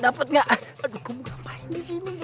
aduh kamu gak main disini